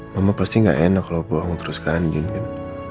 mama pasti gak enak kalau bohong terus ke andin kan